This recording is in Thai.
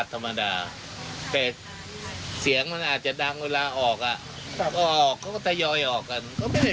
ซึ่งเสียงปกติดังของรถนั่นอะไร